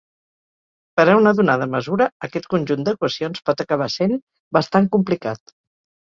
Per a una donada mesura, aquest conjunt d'equacions pot acabar sent bastant complicat.